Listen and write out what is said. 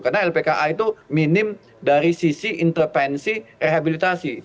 karena lpka itu minim dari sisi intervensi rehabilitasi